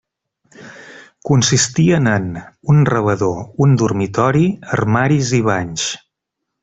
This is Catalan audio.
Consistien en: un rebedor, un dormitori, armaris i banys.